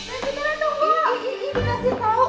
i i i i ngasih tau